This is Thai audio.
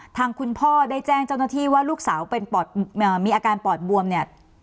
ทางคุณพ่อได้แจ้งเจ้าหน้าที่ว่าลูกสาวเป็นมีอาการปอดบวมเนี่ย